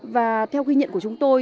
và theo ghi nhận của chúng tôi